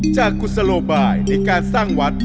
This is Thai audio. กุศโลบายในการสร้างวัด